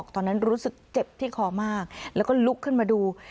ตอนนั้นรู้สึกเจ็บที่คอมากเราก็ลุกไปดู